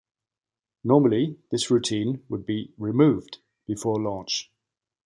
Normally this routine would be removed before launch.